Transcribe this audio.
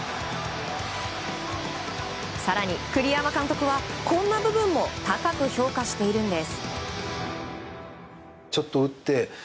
更に栗山監督は、こんな部分も高く評価しているんです。